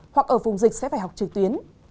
hoặc ở vùng dịch sẽ phải học trực tuyến